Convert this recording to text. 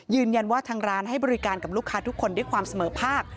ยืนยันว่าทางร้านให้บริการกับลูกค้าทุกคนด้วยความเสมอภาค